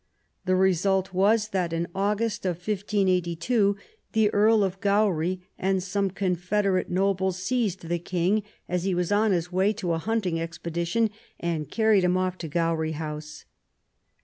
The result was, in August, 1582, the Earl of Gowrie and some confederate nobles seized the King as he was on his way to a hunting expedition, and carried him off to Gowrie House.